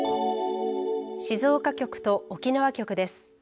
静岡局と沖縄局です。